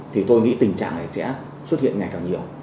thì tôi nghĩ tình trạng này sẽ xuất hiện ngày càng nhiều